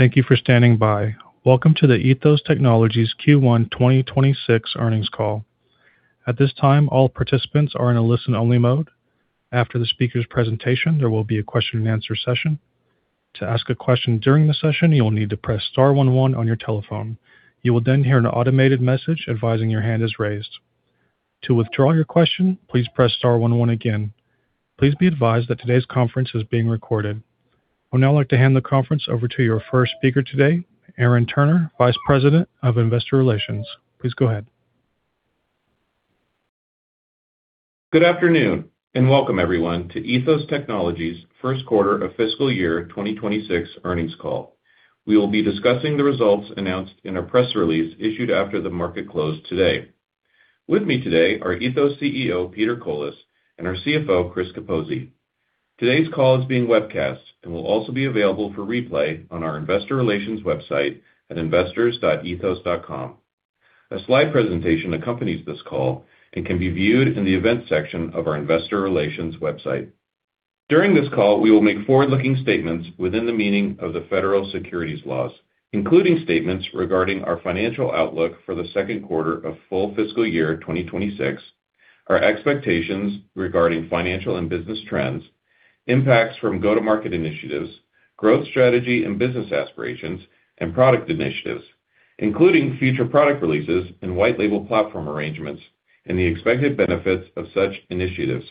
Thank you for standing by. Welcome to the Ethos Technologies Q1 2026 earnings call. At this time, all participants are in a listen-only mode. After the speaker's presentation, there will be a question-and-answer session. Please be advised that today's conference is being recorded. I would now like to hand the conference over to your first speaker today, Aaron Turner, Vice President of Investor Relations. Please go ahead. Good afternoon, and welcome everyone to Ethos Technologies' first quarter of fiscal year 2026 earnings call. We will be discussing the results announced in our press release issued after the market closed today. With me today are Ethos CEO, Peter Colis, and our CFO, Chris Capozzi. Today's call is being webcast and will also be available for replay on our Investor Relations website at investors.ethos.com. A slide presentation accompanies this call and can be viewed in the Event section of our Investor Relations website. During this call, we will make forward-looking statements within the meaning of the federal securities laws, including statements regarding our financial outlook for the second quarter of full fiscal year 2026, our expectations regarding financial and business trends, impacts from go-to-market initiatives, growth strategy, and business aspirations and product initiatives, including future product releases and white label platform arrangements, and the expected benefits of such initiatives.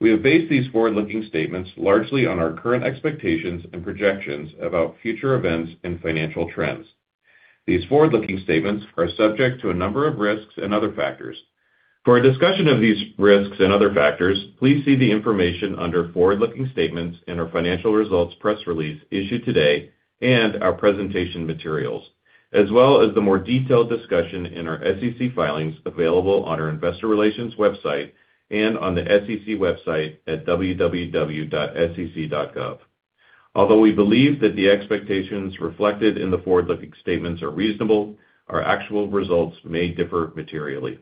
We have based these forward-looking statements largely on our current expectations and projections about future events and financial trends. These forward-looking statements are subject to a number of risks and other factors. For a discussion of these risks and other factors, please see the information under forward-looking statements in our financial results press release issued today and our presentation materials, as well as the more detailed discussion in our SEC filings available on our investor relations website and on the SEC website at www.sec.gov. Although we believe that the expectations reflected in the forward-looking statements are reasonable, our actual results may differ materially.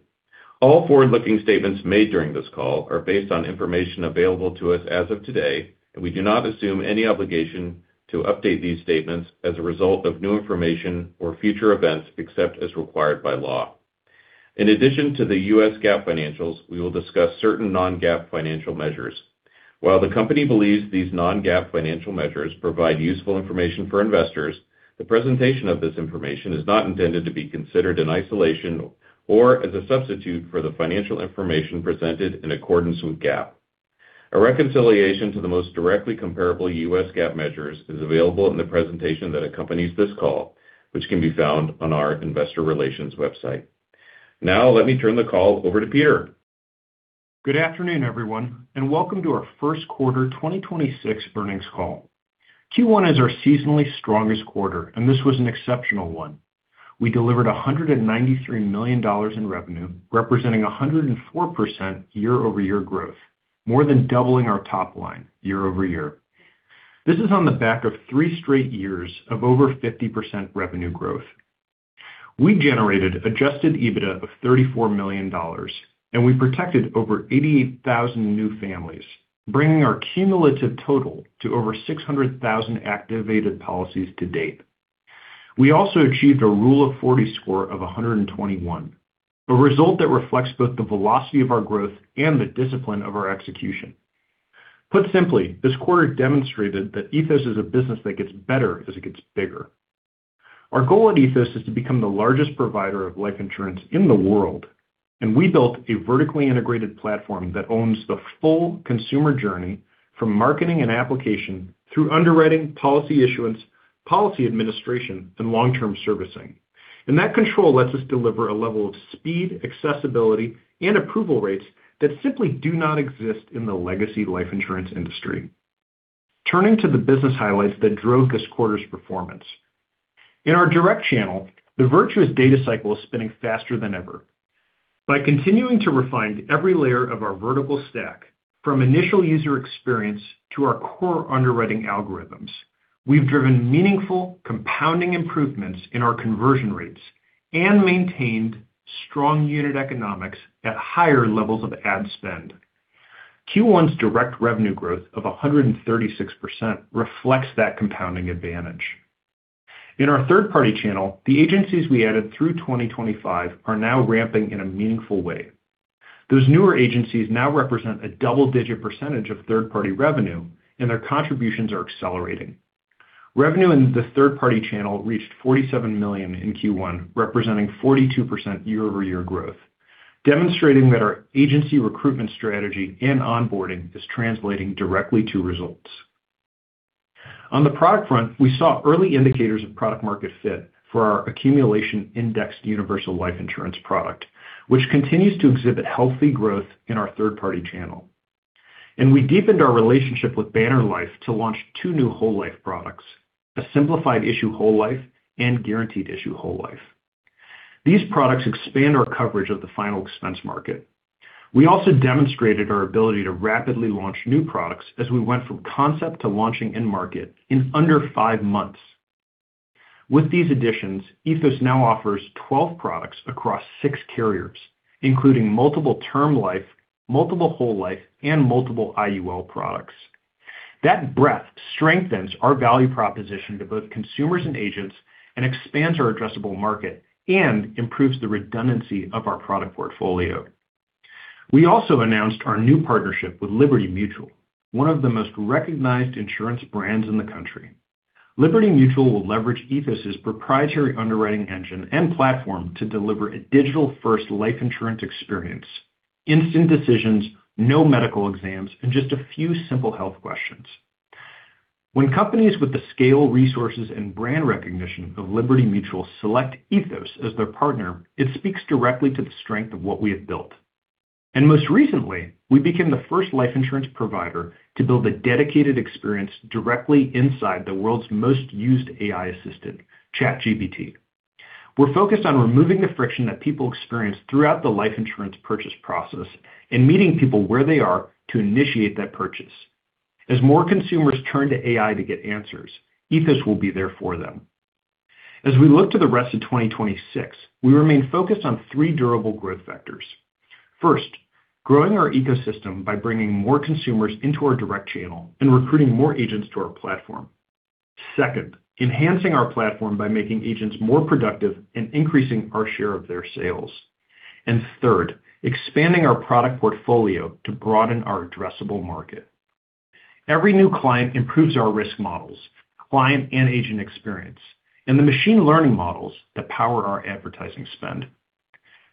All forward-looking statements made during this call are based on information available to us as of today. We do not assume any obligation to update these statements as a result of new information or future events, except as required by law. In addition to the U.S. GAAP financials, we will discuss certain non-GAAP financial measures. While the company believes these non-GAAP financial measures provide useful information for investors, the presentation of this information is not intended to be considered in isolation or as a substitute for the financial information presented in accordance with GAAP. A reconciliation to the most directly comparable U.S. GAAP measures is available in the presentation that accompanies this call, which can be found on our investor relations website. Now, let me turn the call over to Peter. Good afternoon, everyone, and welcome to our first quarter 2026 earnings call. Q1 is our seasonally strongest quarter, and this was an exceptional one. We delivered $193 million in revenue, representing 104% year-over-year growth, more than doubling our top line year-over-year. This is on the back of three straight years of over 50% revenue growth. We generated adjusted EBITDA of $34 million, and we protected over 88,000 new families, bringing our cumulative total to over 600,000 activated policies to date. We also achieved a Rule of 40 score of 121, a result that reflects both the velocity of our growth and the discipline of our execution. Put simply, this quarter demonstrated that Ethos is a business that gets better as it gets bigger. Our goal at Ethos is to become the largest provider of life insurance in the world. We built a vertically integrated platform that owns the full consumer journey from marketing and application through underwriting, policy issuance, policy administration, and long-term servicing. That control lets us deliver a level of speed, accessibility, and approval rates that simply do not exist in the legacy life insurance industry. Turning to the business highlights that drove this quarter's performance. In our direct channel, the virtuous data cycle is spinning faster than ever. By continuing to refine every layer of our vertical stack from initial user experience to our core underwriting algorithms, we've driven meaningful compounding improvements in our conversion rates and maintained strong unit economics at higher levels of ad spend. Q1's direct revenue growth of 136% reflects that compounding advantage. In our third-party channel, the agencies we added through 2025 are now ramping in a meaningful way. Those newer agencies now represent a double-digit percentage of third-party revenue, their contributions are accelerating. Revenue in the third-party channel reached $47 million in Q1, representing 42% year-over-year growth, demonstrating that our agency recruitment strategy and onboarding is translating directly to results. On the product front, we saw early indicators of product market fit for our accumulation indexed universal life insurance product, which continues to exhibit healthy growth in our third-party channel. We deepened our relationship with Banner Life to launch two new whole life products, a simplified issue whole life and guaranteed issue whole life. These products expand our coverage of the final expense market. We also demonstrated our ability to rapidly launch new products as we went from concept to launching in market in under five months. With these additions, Ethos now offers 12 products across six carriers, including multiple term life, multiple whole life, and multiple IUL products. That breadth strengthens our value proposition to both consumers and agents and expands our addressable market and improves the redundancy of our product portfolio. We also announced our new partnership with Liberty Mutual, one of the most recognized insurance brands in the country. Liberty Mutual will leverage Ethos' proprietary underwriting engine and platform to deliver a digital-first life insurance experience, instant decisions, no medical exams, and just a few simple health questions. When companies with the scale, resources, and brand recognition of Liberty Mutual select Ethos as their partner, it speaks directly to the strength of what we have built. Most recently, we became the first life insurance provider to build a dedicated experience directly inside the world's most used AI assistant, ChatGPT. We're focused on removing the friction that people experience throughout the life insurance purchase process and meeting people where they are to initiate that purchase. As more consumers turn to AI to get answers, Ethos will be there for them. We look to the rest of 2026, we remain focused on three durable growth vectors. First, growing our ecosystem by bringing more consumers into our direct channel and recruiting more agents to our platform. Second, enhancing our platform by making agents more productive and increasing our share of their sales. Third, expanding our product portfolio to broaden our addressable market. Every new client improves our risk models, client and agent experience, and the machine learning models that power our advertising spend.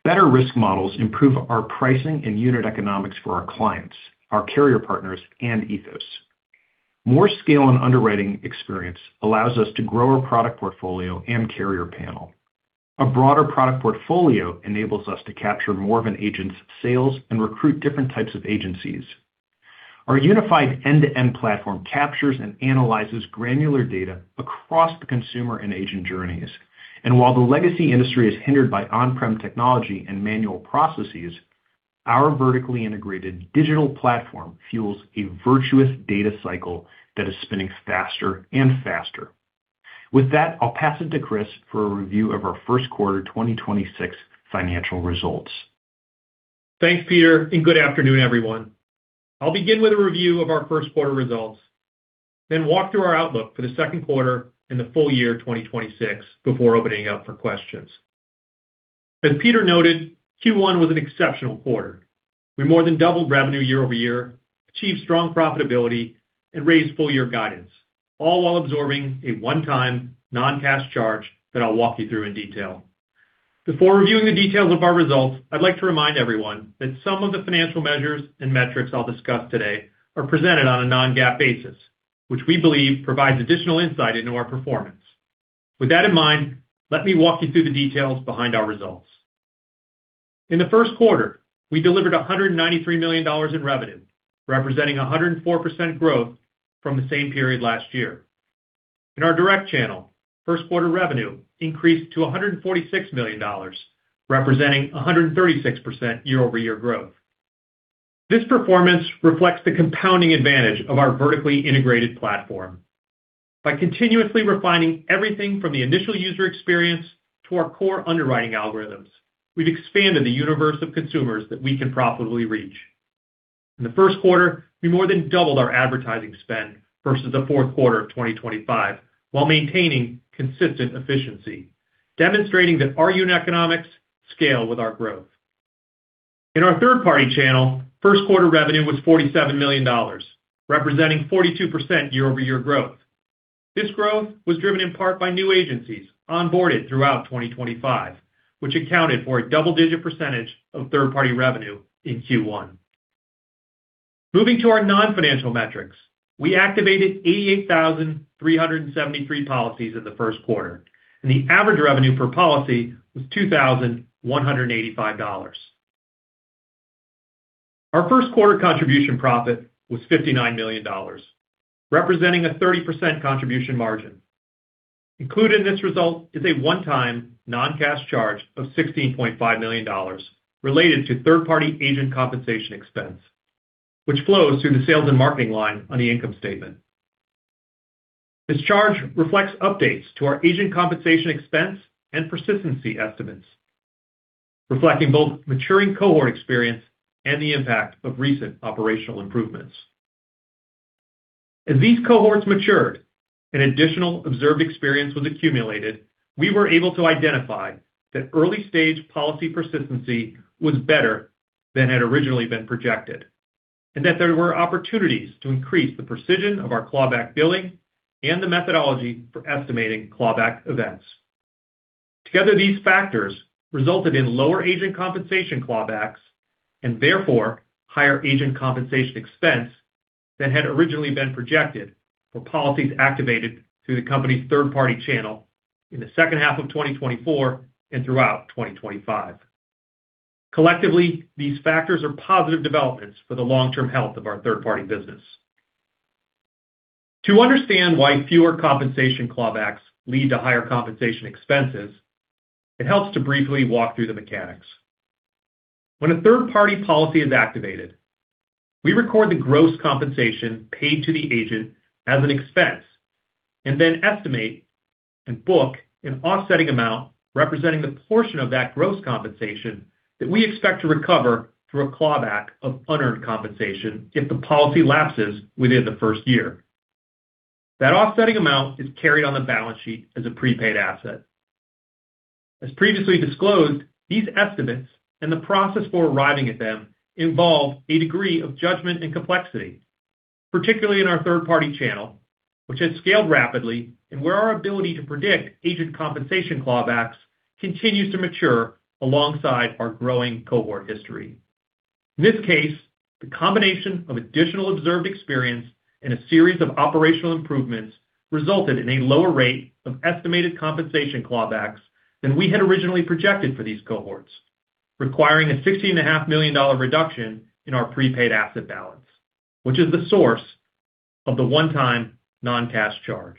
Better risk models improve our pricing and unit economics for our clients, our carrier partners, and Ethos. More scale and underwriting experience allows us to grow our product portfolio and carrier panel. A broader product portfolio enables us to capture more of an agent's sales and recruit different types of agencies. Our unified end-to-end platform captures and analyzes granular data across the consumer and agent journeys. While the legacy industry is hindered by on-prem technology and manual processes, our vertically integrated digital platform fuels a virtuous data cycle that is spinning faster and faster. With that, I'll pass it to Chris for a review of our first quarter 2026 financial results. Thanks, Peter, and good afternoon, everyone. I'll begin with a review of our first quarter results, walk through our outlook for the second quarter and the full-year 2026 before opening up for questions. As Peter noted, Q1 was an exceptional quarter. We more than doubled revenue year-over-year, achieved strong profitability, and raised full-year guidance, all while absorbing a one-time non-cash charge that I'll walk you through in detail. Before reviewing the details of our results, I'd like to remind everyone that some of the financial measures and metrics I'll discuss today are presented on a non-GAAP basis, which we believe provides additional insight into our performance. With that in mind, let me walk you through the details behind our results. In the first quarter, we delivered $193 million in revenue, representing 104% growth from the same period last year. In our direct channel, first quarter revenue increased to $146 million, representing 136% year-over-year growth. This performance reflects the compounding advantage of our vertically integrated platform. By continuously refining everything from the initial user experience to our core underwriting algorithms, we've expanded the universe of consumers that we can profitably reach. In the first quarter, we more than doubled our advertising spend versus the fourth quarter of 2025 while maintaining consistent efficiency, demonstrating that our unit economics scale with our growth. In our third-party channel, first quarter revenue was $47 million, representing 42% year-over-year growth. This growth was driven in part by new agencies onboarded throughout 2025, which accounted for a double-digit percentage of third-party revenue in Q1. Moving to our non-financial metrics, we activated 88,373 policies in the first quarter. The average revenue per policy was $2,185. Our first quarter contribution profit was $59 million, representing a 30% contribution margin. Included in this result is a one-time non-cash charge of $16.5 million related to third-party agent compensation expense, which flows through the sales and marketing line on the income statement. This charge reflects updates to our agent compensation expense and persistency estimates, reflecting both maturing cohort experience and the impact of recent operational improvements. As these cohorts matured and additional observed experience was accumulated, we were able to identify that early-stage policy persistency was better than had originally been projected and that there were opportunities to increase the precision of our clawback billing and the methodology for estimating clawback events. Together, these factors resulted in lower agent compensation clawbacks and therefore higher agent compensation expense than had originally been projected for policies activated through the company's third-party channel in the second half of 2024 and throughout 2025. Collectively, these factors are positive developments for the long-term health of our third-party business. To understand why fewer compensation clawbacks lead to higher compensation expenses, it helps to briefly walk through the mechanics. When a third party policy is activated, we record the gross compensation paid to the agent as an expense and then estimate and book an offsetting amount representing the portion of that gross compensation that we expect to recover through a clawback of unearned compensation if the policy lapses within the first year. That offsetting amount is carried on the balance sheet as a prepaid asset. As previously disclosed, these estimates and the process for arriving at them involve a degree of judgment and complexity, particularly in our third party channel, which has scaled rapidly and where our ability to predict agent compensation clawbacks continues to mature alongside our growing cohort history. In this case, the combination of additional observed experience and a series of operational improvements resulted in a lower rate of estimated compensation clawbacks than we had originally projected for these cohorts, requiring a $16.5 million dollar reduction in our prepaid asset balance, which is the source of the one-time non-cash charge.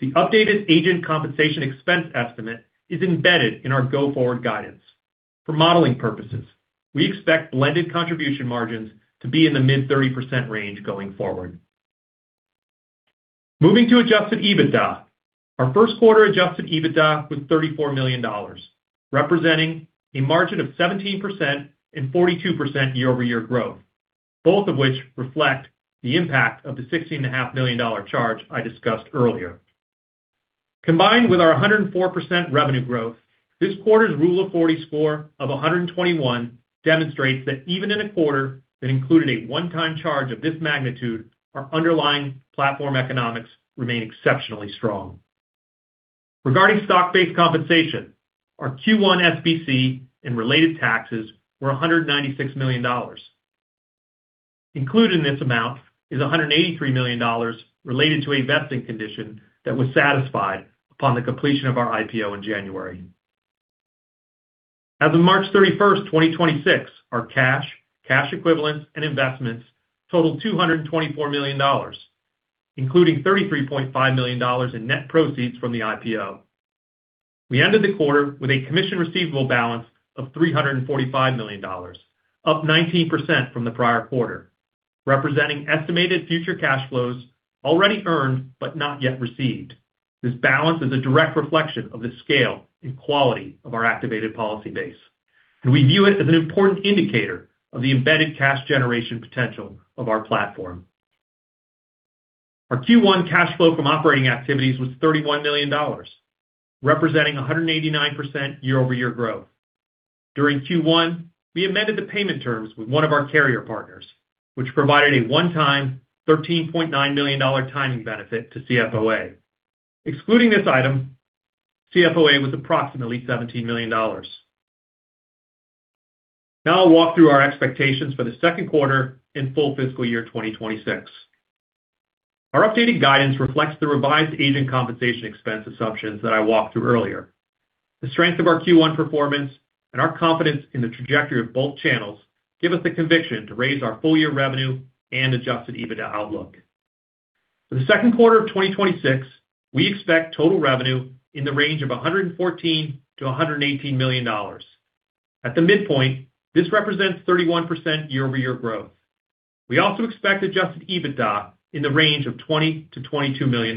The updated agent compensation expense estimate is embedded in our go-forward guidance. For modeling purposes, we expect blended contribution margins to be in the mid 30% range going forward. Moving to adjusted EBITDA. Our first quarter adjusted EBITDA was $34 million, representing a margin of 17% and 42% year-over-year growth, both of which reflect the impact of the $16.5 million charge I discussed earlier. Combined with our 104% revenue growth, this quarter's Rule of 40 score of 121 demonstrates that even in a quarter that included a one-time charge of this magnitude, our underlying platform economics remain exceptionally strong. Regarding stock-based compensation, our Q1 SBC and related taxes were $196 million. Included in this amount is $183 million related to a vesting condition that was satisfied upon the completion of our IPO in January. As of March 31st, 2026, our cash equivalents, and investments totaled $224 million, including $33.5 million in net proceeds from the IPO. We ended the quarter with a commission receivable balance of $345 million, up 19% from the prior quarter, representing estimated future cash flows already earned but not yet received. This balance is a direct reflection of the scale and quality of our activated policy base, and we view it as an important indicator of the embedded cash generation potential of our platform. Our Q1 cash flow from operating activities was $31 million, representing 189% year-over-year growth. During Q1, we amended the payment terms with one of our carrier partners, which provided a one-time $13.9 million timing benefit to CFOA. Excluding this item, CFOA was approximately $17 million. Now I'll walk through our expectations for the second quarter and full fiscal year 2026. Our updated guidance reflects the revised agent compensation expense assumptions that I walked through earlier. The strength of our Q1 performance and our confidence in the trajectory of both channels give us the conviction to raise our full-year revenue and adjusted EBITDA outlook. For the second quarter of 2026, we expect total revenue in the range of $114 million-$118 million. At the midpoint, this represents 31% year-over-year growth. We also expect adjusted EBITDA in the range of $20 million-$22 million.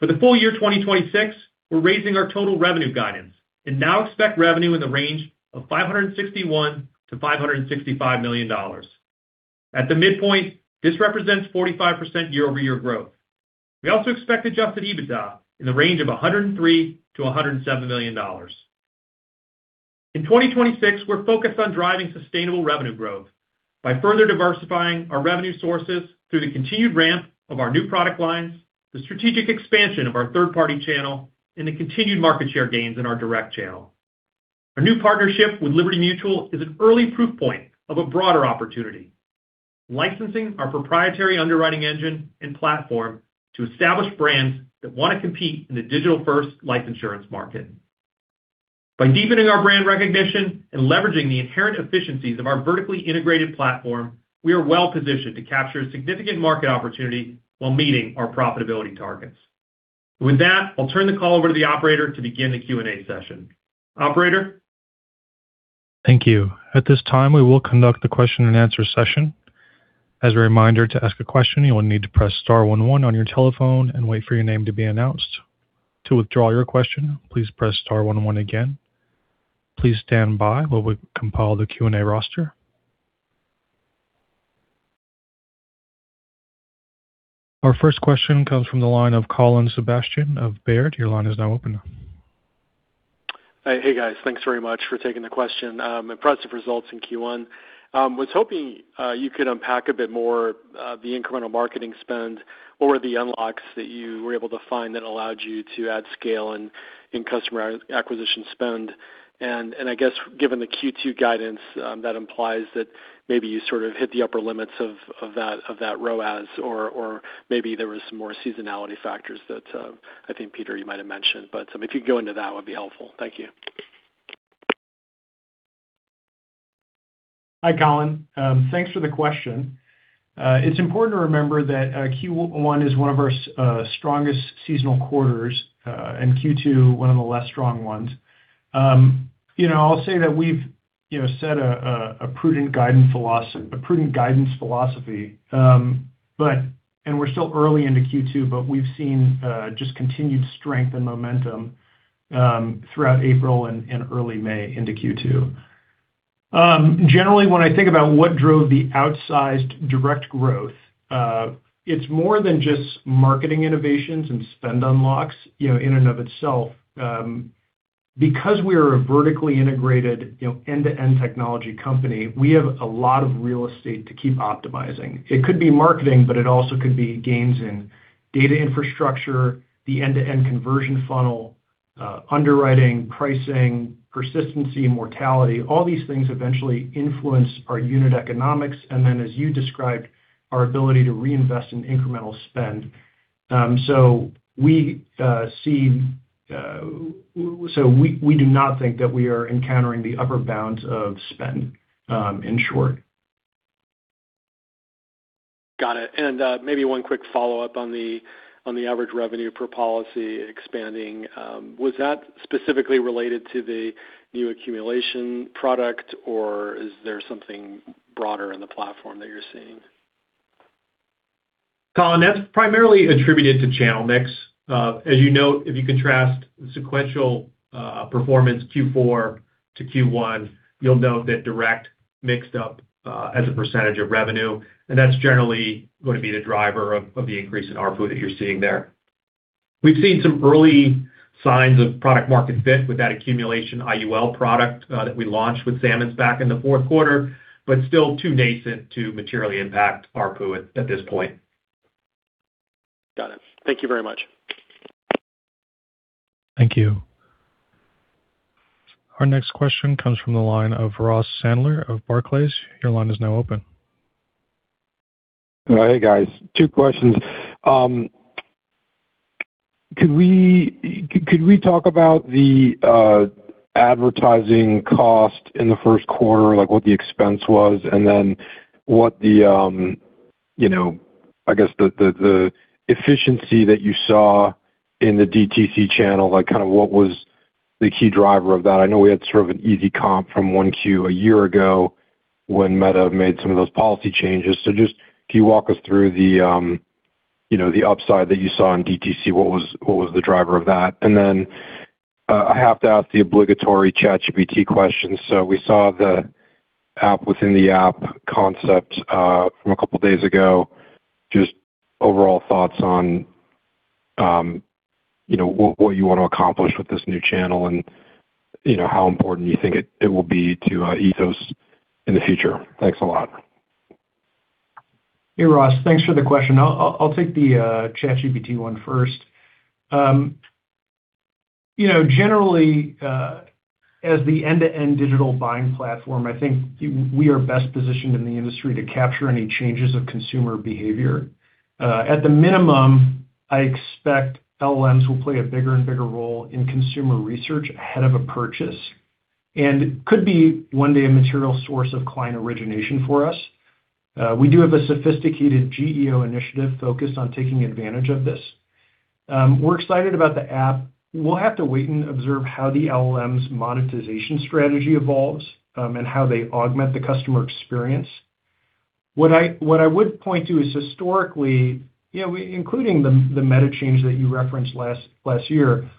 For the full-year 2026, we're raising our total revenue guidance and now expect revenue in the range of $561 million-$565 million. At the midpoint, this represents 45% year-over-year growth. We also expect adjusted EBITDA in the range of $103 million-$107 million. In 2026, we're focused on driving sustainable revenue growth by further diversifying our revenue sources through the continued ramp of our new product lines, the strategic expansion of our third party channel, and the continued market share gains in our direct channel. Our new partnership with Liberty Mutual is an early proof point of a broader opportunity, licensing our proprietary underwriting engine and platform to establish brands that want to compete in the digital first life insurance market. By deepening our brand recognition and leveraging the inherent efficiencies of our vertically integrated platform, we are well-positioned to capture significant market opportunity while meeting our profitability targets. With that, I'll turn the call over to the operator to begin the Q&A session. Operator? Thank you. At this time, we will conduct the question and answer session. As a reminder, to ask a question, you will need to press star one one on your telephone and wait for your name to be announced. To withdraw your question, please press star one one again. Please stand by while we compile the Q&A roster. Our first question comes from the line of Colin Sebastian of Baird. Your line is now open. Hey, guys. Thanks very much for taking the question. Impressive results in Q1. Was hoping you could unpack a bit more the incremental marketing spend or the unlocks that you were able to find that allowed you to add scale and in customer acquisition spend. I guess given the Q2 guidance, that implies that maybe you sort of hit the upper limits of that ROAS or maybe there was some more seasonality factors that I think, Peter, you might have mentioned. If you could go into that, it would be helpful. Thank you. Hi, Colin. Thanks for the question. It's important to remember that Q1 is one of our strongest seasonal quarters, and Q2 one of the less strong ones. You know, I'll say that we've, you know, set a prudent guidance philosophy. We're still early into Q2, but we've seen just continued strength and momentum throughout April and early May into Q2. Generally, when I think about what drove the outsized direct growth, it's more than just marketing innovations and spend unlocks, you know, in and of itself. Because we are a vertically integrated, you know, end-to-end technology company, we have a lot of real estate to keep optimizing. It could be marketing, but it also could be gains in data infrastructure, the end-to-end conversion funnel, underwriting, pricing, persistency, mortality. All these things eventually influence our unit economics, and then, as you described, our ability to reinvest in incremental spend. We see so we do not think that we are encountering the upper bounds of spend in short. Got it. Maybe one quick follow-up on the, on the average revenue per policy expanding. Was that specifically related to the new accumulation product, or is there something broader in the platform that you're seeing? Colin, that's primarily attributed to channel mix. As you note, if you contrast sequential performance Q4 to Q1, you'll note that direct mixed up as a percentage of revenue, and that's generally gonna be the driver of the increase in ARPU that you're seeing there. We've seen some early signs of product market fit with that accumulation IUL product that we launched with Sammons back in the fourth quarter, but still too nascent to materially impact ARPU at this point. Got it. Thank you very much. Thank you. Our next question comes from the line of Ross Sandler of Barclays. Your line is now open. Hey, guys. Two questions. Could we talk about the advertising cost in the first quarter, like what the expense was, and then what the, you know, I guess the efficiency that you saw in the DTC channel, like kind of what was the key driver of that? I know we had sort of an easy comp from 1Q a year ago when Meta made some of those policy changes. Just can you walk us through the, you know, the upside that you saw in DTC? What was the driver of that? Then I have to ask the obligatory ChatGPT question. We saw the app within the app concept from a couple days ago. Just overall thoughts on, you know, what you want to accomplish with this new channel and, you know, how important you think it will be to Ethos in the future. Thanks a lot. Hey, Ross. Thanks for the question. I'll take the ChatGPT one first. You know, generally, as the end-to-end digital buying platform, I think we are best positioned in the industry to capture any changes of consumer behavior. At the minimum, I expect LLMs will play a bigger and bigger role in consumer research ahead of a purchase, and could be one day a material source of client origination for us. We do have a sophisticated GEO initiative focused on taking advantage of this. We're excited about the app. We'll have to wait and observe how the LLM's monetization strategy evolves, and how they augment the customer experience. What I would point to is historically, you know, including the Meta change that you referenced last year,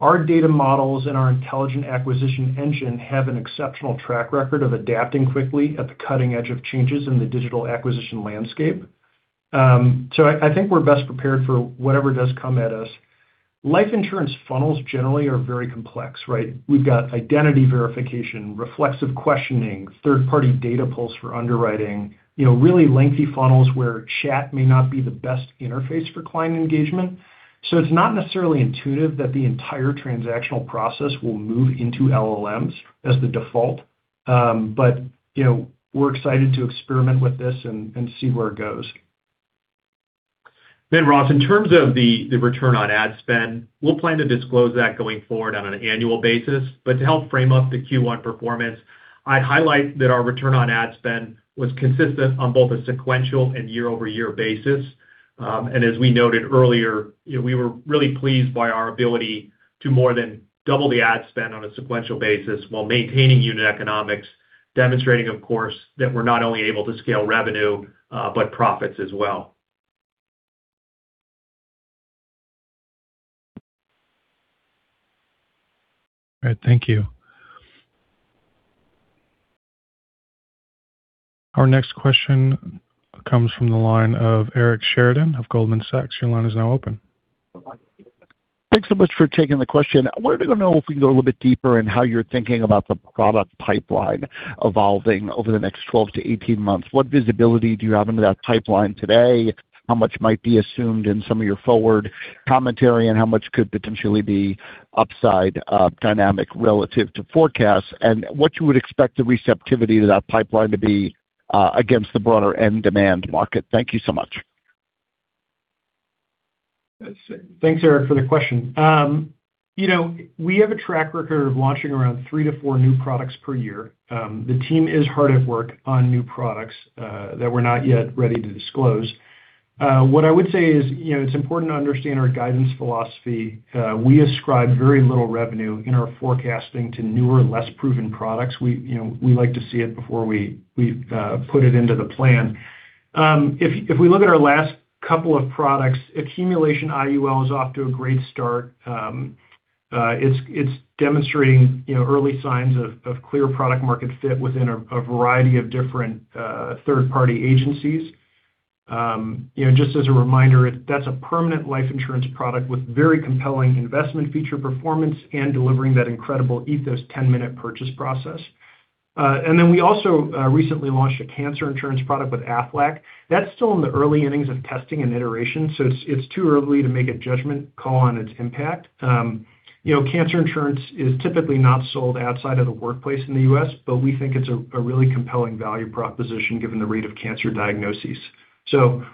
our data models and our intelligent acquisition engine have an exceptional track record of adapting quickly at the cutting edge of changes in the digital acquisition landscape. I think we're best prepared for whatever does come at us. Life insurance funnels generally are very complex, right? We've got identity verification, reflexive questioning, third-party data pulls for underwriting, you know, really lengthy funnels where chat may not be the best interface for client engagement. It's not necessarily intuitive that the entire transactional process will move into LLMs as the default. We're excited to experiment with this and see where it goes. Ross, in terms of the return on ad spend, we'll plan to disclose that going forward on an annual basis. To help frame up the Q1 performance, I'd highlight that our return on ad spend was consistent on both a sequential and year-over-year basis. As we noted earlier, you know, we were really pleased by our ability to more than double the ad spend on a sequential basis while maintaining unit economics, demonstrating of course, that we're not only able to scale revenue, but profits as well. All right. Thank you. Our next question comes from the line of Eric Sheridan of Goldman Sachs. Your line is now open. Thanks so much for taking the question. Wanted to know if we can go a little bit deeper in how you're thinking about the product pipeline evolving over the next 12 to 18 months. What visibility do you have into that pipeline today? How much might be assumed in some of your forward commentary, and how much could potentially be upside dynamic relative to forecasts? What you would expect the receptivity to that pipeline to be against the broader end demand market. Thank you so much. Thanks, Eric, for the question. You know, we have a track record of launching around three to four new products per year. The team is hard at work on new products that we're not yet ready to disclose. What I would say is, you know, it's important to understand our guidance philosophy. We ascribe very little revenue in our forecasting to newer, less proven products. We like to see it before we put it into the plan. If we look at our last couple of products, accumulation IUL is off to a great start. It's demonstrating, you know, early signs of clear product market fit within a variety of different third-party agencies. You know, just as a reminder, that's a permanent life insurance product with very compelling investment feature performance and delivering that incredible Ethos 10-minute purchase process. We also recently launched a cancer insurance product with Aflac. That's still in the early innings of testing and iteration, it's too early to make a judgment call on its impact. You know, cancer insurance is typically not sold outside of the workplace in the U.S., we think it's a really compelling value proposition given the rate of cancer diagnoses.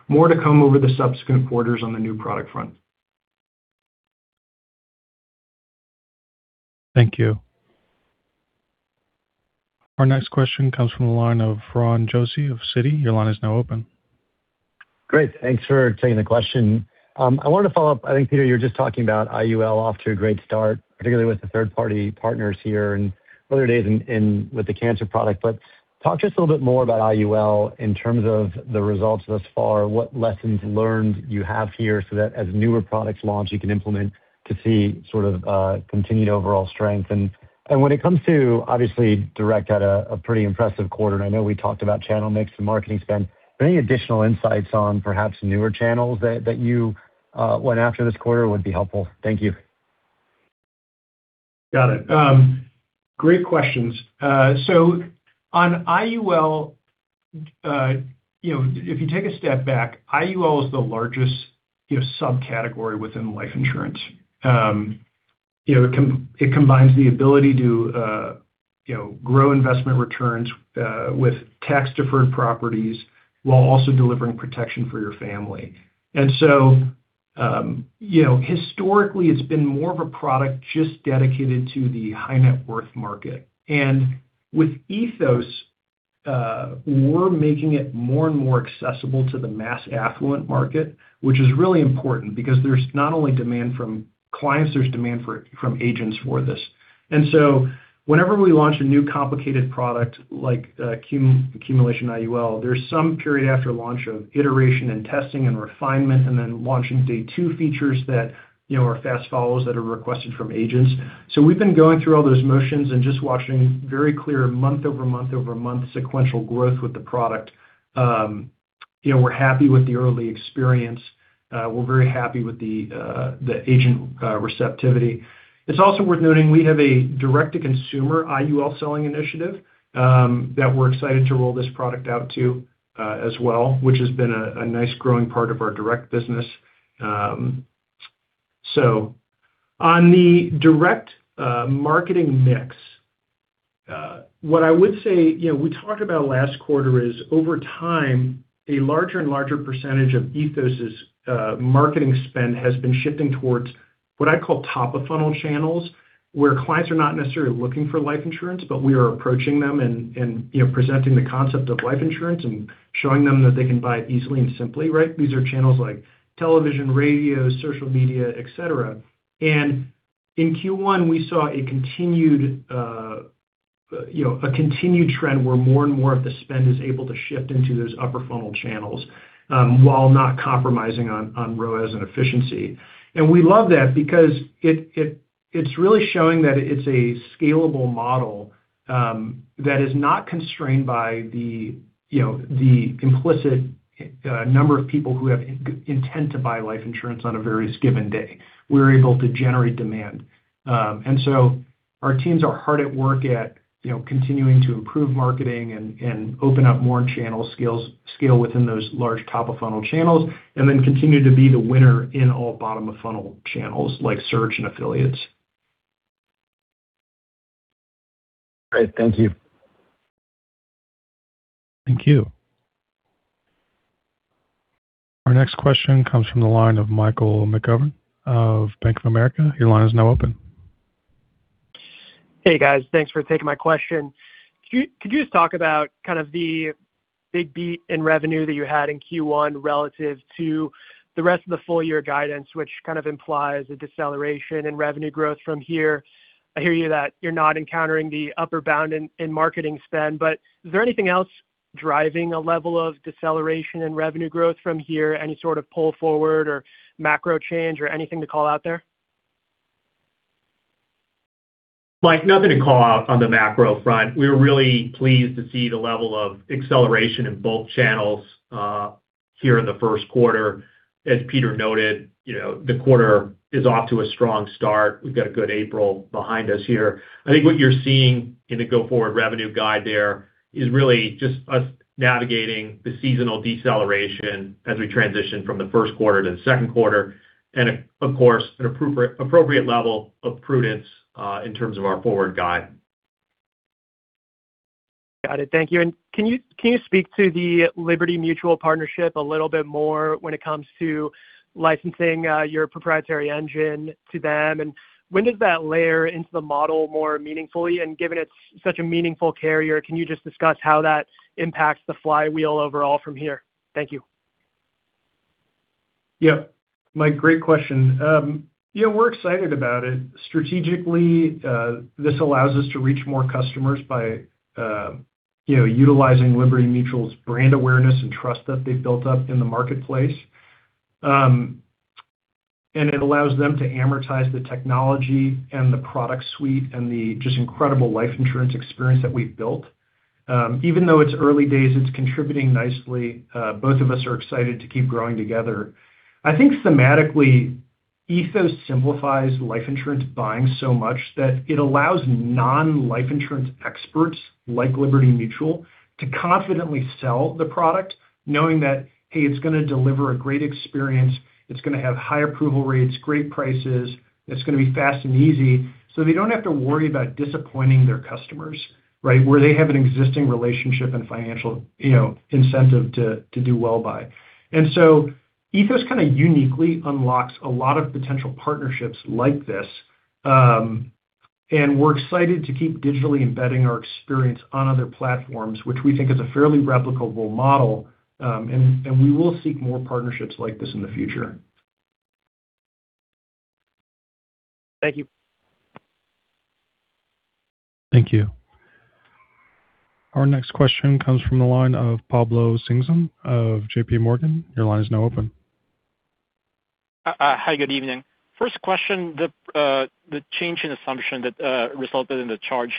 More to come over the subsequent quarters on the new product front. Thank you. Our next question comes from the line of Ron Josey of Citi. Your line is now open. Great. Thanks for taking the question. I wanted to follow up. I think, Peter, you were just talking about IUL off to a great start, particularly with the third-party partners here and early days with the cancer product. Talk to us a little bit more about IUL in terms of the results thus far, what lessons learned you have here so that as newer products launch, you can implement to see sort of continued overall strength. When it comes to obviously direct had a pretty impressive quarter, and I know we talked about channel mix and marketing spend. Any additional insights on perhaps newer channels that you went after this quarter would be helpful. Thank you. Got it. Great questions. On IUL, you know, if you take a step back, IUL is the largest, you know, subcategory within life insurance. You know, it combines the ability to, you know, grow investment returns with tax-deferred properties while also delivering protection for your family. You know, historically, it's been more of a product just dedicated to the high net worth market. With Ethos, we're making it more and more accessible to the mass affluent market, which is really important because there's not only demand from clients, there's demand for it from agents for this. Whenever we launch a new complicated product like accumulation IUL, there's some period after launch of iteration and testing and refinement, then launching day two features that, you know, are fast follows that are requested from agents. We've been going through all those motions and just watching very clear month-over-month-over-month sequential growth with the product. You know, we're happy with the early experience. We're very happy with the agent receptivity. It's also worth noting we have a direct-to-consumer IUL selling initiative that we're excited to roll this product out to as well, which has been a nice growing part of our direct business. On the direct marketing mix, what I would say, you know, we talked about last quarter is over time, a larger and larger percentage of Ethos' marketing spend has been shifting towards what I call top of funnel channels, where clients are not necessarily looking for life insurance, but we are approaching them and, you know, presenting the concept of life insurance and showing them that they can buy it easily and simply, right? These are channels like television, radio, social media, et cetera. In Q1, we saw a continued, you know, a continued trend where more and more of the spend is able to shift into those upper funnel channels, while not compromising on ROAS and efficiency. We love that because it's really showing that it's a scalable model that is not constrained by the implicit number of people who have intent to buy life insurance on a various given day. We're able to generate demand. Our teams are hard at work at continuing to improve marketing and open up more channel scale within those large top of funnel channels, and then continue to be the winner in all bottom of funnel channels like search and affiliates. Great. Thank you. Thank you. Our next question comes from the line of Michael McGovern of Bank of America. Hey, guys. Thanks for taking my question. Could you just talk about kind of the big beat in revenue that you had in Q1 relative to the rest of the full-year guidance, which kind of implies a deceleration in revenue growth from here? I hear you that you're not encountering the upper bound in marketing spend, but is there anything else driving a level of deceleration in revenue growth from here? Any sort of pull forward or macro change or anything to call out there? Mike, nothing to call out on the macro front. We're really pleased to see the level of acceleration in both channels here in the first quarter. As Peter noted, you know, the quarter is off to a strong start. We've got a good April behind us here. I think what you're seeing in the go-forward revenue guide there is really just us navigating the seasonal deceleration as we transition from the first quarter to the second quarter and of course, an appropriate level of prudence in terms of our forward guide. Got it. Thank you. Can you speak to the Liberty Mutual partnership a little bit more when it comes to licensing your proprietary engine to them? When does that layer into the model more meaningfully? Given it's such a meaningful carrier, can you just discuss how that impacts the flywheel overall from here? Thank you. Mike, great question. We're excited about it. Strategically, this allows us to reach more customers by, you know, utilizing Liberty Mutual's brand awareness and trust that they've built up in the marketplace. It allows them to amortize the technology and the product suite and the just incredible life insurance experience that we've built. Even though it's early days, it's contributing nicely. Both of us are excited to keep growing together. I think thematically, Ethos simplifies life insurance buying so much that it allows non-life insurance experts, like Liberty Mutual, to confidently sell the product knowing that, hey, it's gonna deliver a great experience, it's gonna have high approval rates, great prices, it's gonna be fast and easy. They don't have to worry about disappointing their customers, right? Where they have an existing relationship and financial, you know, incentive to do well by. Ethos kinda uniquely unlocks a lot of potential partnerships like this. We're excited to keep digitally embedding our experience on other platforms, which we think is a fairly replicable model. We will seek more partnerships like this in the future. Thank you. Thank you. Our next question comes from the line of Pablo Singzon of JPMorgan. Your line is now open. Hi, good evening. First question, the change in assumption that resulted in the charge,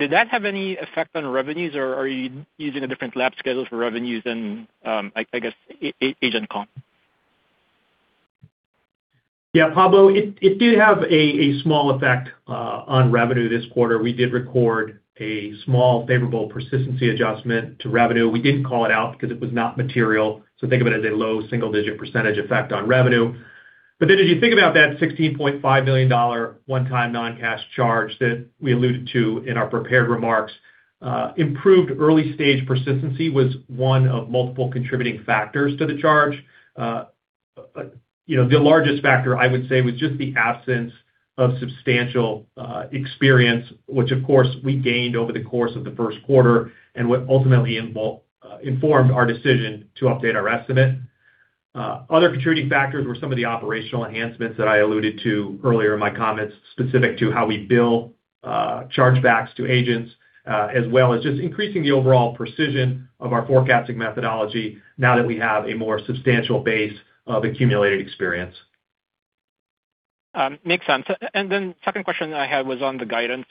did that have any effect on revenues or are you using a different lapse schedule for revenues than, I guess, agent comp? Yeah, Pablo, it did have a small effect on revenue this quarter. We did record a small favorable persistency adjustment to revenue. We didn't call it out because it was not material, so think of it as a low single-digit percentage effect on revenue. As you think about that $16.5 million one-time non-cash charge that we alluded to in our prepared remarks, improved early stage persistency was one of multiple contributing factors to the charge. The largest factor I would say was just the absence of substantial experience, which of course we gained over the course of the first quarter and what ultimately informed our decision to update our estimate. Other contributing factors were some of the operational enhancements that I alluded to earlier in my comments, specific to how we bill, chargebacks to agents, as well as just increasing the overall precision of our forecasting methodology now that we have a more substantial base of accumulated experience. Makes sense. Then second question I had was on the guidance.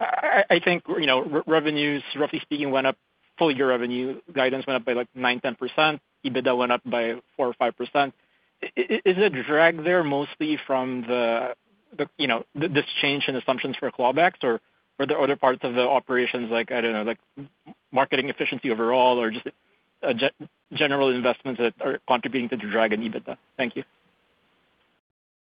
I think, you know, revenues, roughly speaking, went up, full-year revenue guidance went up by like 9%, 10%. EBITDA went up by 4% or 5%. Is the drag there mostly from the, you know, this change in assumptions for clawbacks or are there other parts of the operations like, I don't know, like marketing efficiency overall or just a general investments that are contributing to the drag in EBITDA? Thank you.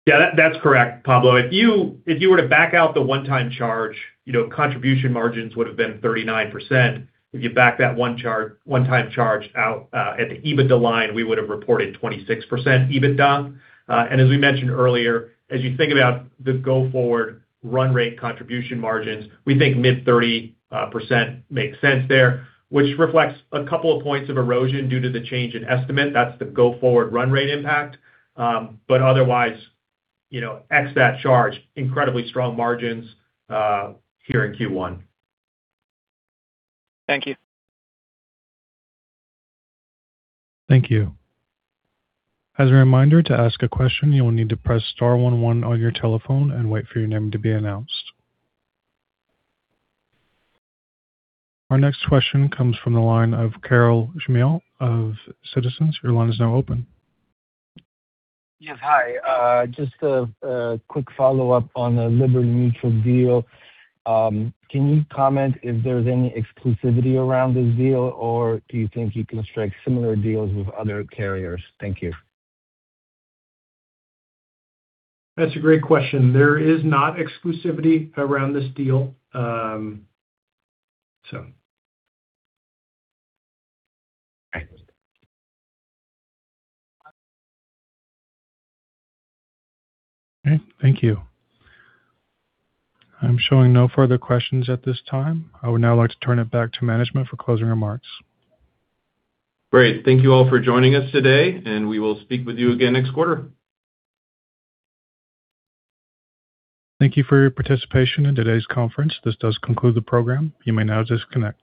Yeah, that's correct, Pablo. If you, if you were to back out the one-time charge, you know, contribution margins would have been 39%. If you back that one-time charge out, at the EBITDA line, we would have reported 26% EBITDA. As we mentioned earlier, as you think about the go-forward run rate contribution margins, we think mid-30% makes sense there, which reflects a couple of points of erosion due to the change in estimate. That's the go-forward run rate impact. Otherwise, you know, ex that charge, incredibly strong margins here in Q1. Thank you. Thank you. As a reminder, to ask a question, you will need to press star one one on your telephone and wait for your name to be announced. Our next question comes from the line of Carol Jamil of Citizens. Your line is now open. Yes. Hi. Just a quick follow-up on the Liberty Mutual deal. Can you comment if there's any exclusivity around this deal, or do you think you can strike similar deals with other carriers? Thank you. That's a great question. There is not exclusivity around this deal. Okay. Okay. Thank you. I'm showing no further questions at this time. I would now like to turn it back to management for closing remarks. Great. Thank you all for joining us today, and we will speak with you again next quarter. Thank you for your participation in today's conference. This does conclude the program. You may now disconnect.